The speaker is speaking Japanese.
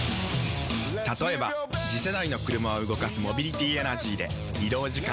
例えば次世代の車を動かすモビリティエナジーでまジカ⁉人間！